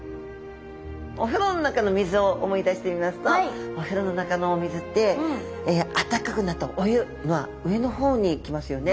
お風呂の中の水を思い出してみますとお風呂の中のお水ってあったかくなったお湯は上の方に来ますよね。